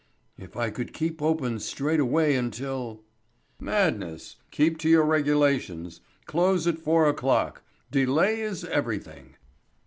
"If I could keep open straight away until " "Madness. Keep to your regulations. Close at four o'clock. Delay is everything."